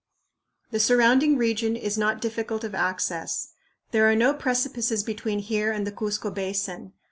The surrounding region is not difficult of access. There are no precipices between here and the Cuzco Basin.